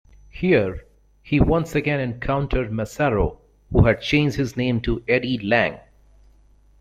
Here, he once again encountered Massaro, who had changed his name to Eddie Lang.